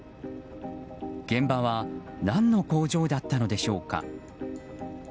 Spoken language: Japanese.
現場は何の工場だったのでしょうか。